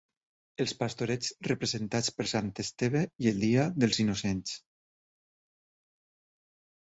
Els Pastorets, representats per Sant Esteve i el dia dels Innocents.